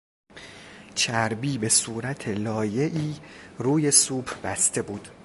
چربی به صورت لایهای روی سوپ بسته بود.